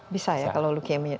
bisa ya kalau leukemia